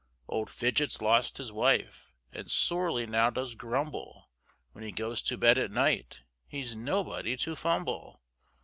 Old Fidgets lost his wife, And sorely now does grumble When he goes to bed at night, He's nobody to fumble.